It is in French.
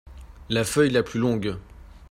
La feuille la plus longue.